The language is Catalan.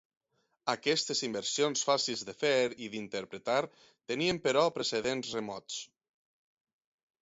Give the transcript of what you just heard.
Aquestes inversions, fàcils de fer i d'interpretar, tenien, però, precedents remots.